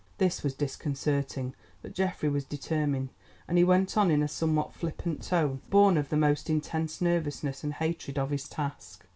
This was disconcerting, but Geoffrey was determined, and he went on in a somewhat flippant tone born of the most intense nervousness and hatred of his task.